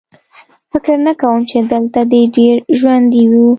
فکر نه کوم چې دلته دې ډېر ژوندي وو